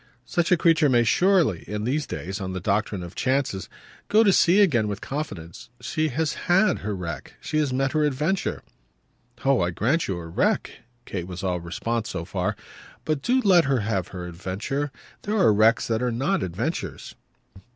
Such a creature may surely, in these days, on the doctrine of chances, go to sea again with confidence. She has HAD her wreck she has met her adventure." "Oh I grant you her wreck!" Kate was all response so far. "But do let her have still her adventure. There are wrecks that are not adventures."